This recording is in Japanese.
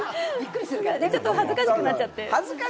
ちょっと恥ずかしくなっちゃって。